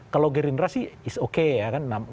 kalau gerindra sih is okay ya kan